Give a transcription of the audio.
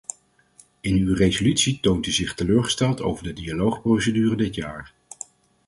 In uw resolutie toont u zich teleurgesteld over de dialoogprocedure dit jaar.